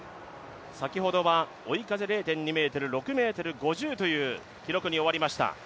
先ほどは追い風０．２メートル、６ｍ５０という記録に終わりました。